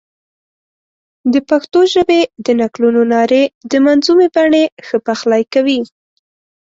د پښتو ژبې د نکلونو نارې د منظومې بڼې ښه پخلی کوي.